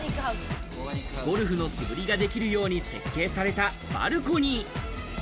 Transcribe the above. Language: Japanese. ゴルフの素振りができるように設計されたバルコニー。